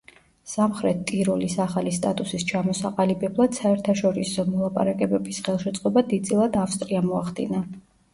სამხრეთ ტიროლის ახალი სტატუსის ჩამოსაყალიბებლად საერთაშორისო მოლაპარაკებების ხელშეწყობა დიდწილად ავსტრიამ მოახდინა.